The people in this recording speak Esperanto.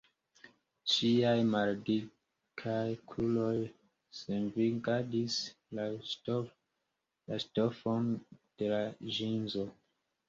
Ŝiaj maldikaj kruroj svingadis la ŝtofon de la ĵinzo.